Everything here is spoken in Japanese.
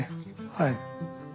はい。